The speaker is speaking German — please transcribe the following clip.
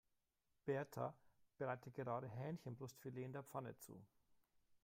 Berta bereitet gerade Hähnchenbrustfilet in der Pfanne zu.